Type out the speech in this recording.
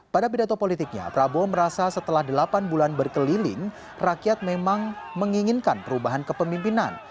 pada pidato politiknya prabowo merasa setelah delapan bulan berkeliling rakyat memang menginginkan perubahan kepemimpinan